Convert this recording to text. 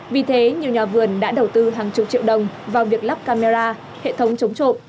vì thế nhiều nhà vườn đã đầu tư hàng chục triệu đồng vào việc lắp camera hệ thống chống trộm